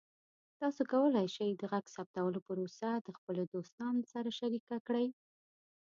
تاسو کولی شئ د غږ ثبتولو پروسه د خپلو دوستانو سره شریکه کړئ.